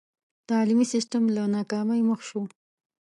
تعلیمي سسټم له ناکامۍ مخ شو.